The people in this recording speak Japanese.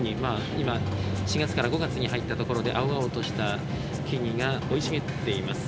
今４月から５月に入ったところで青々とした木々が生い茂っています。